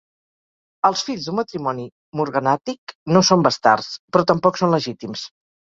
Els fills d'un matrimoni morganàtic no són bastards, però tampoc són legítims.